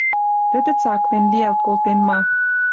Тӹдӹ цаклен, лиӓлт колтен ма.